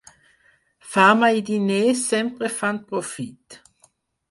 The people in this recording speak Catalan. Fama i diners sempre fan profit.